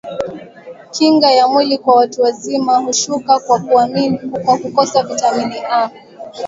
kinga ya mwili kwa watu wazima hushuka kwa kukosa vitamini A